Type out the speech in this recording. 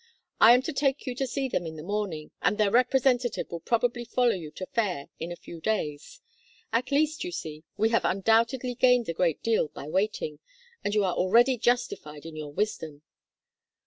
I am to take you to see them in the morning, and their representative will probably follow you to Fayre in a few days. At least, you see, we have undoubtedly gained a great deal by waiting, and you are already justified in your wisdom."